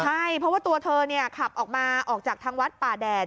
ใช่เพราะว่าตัวเธอขับออกมาออกจากทางวัดป่าแดด